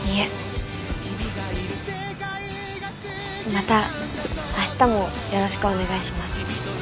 また明日もよろしくお願いします。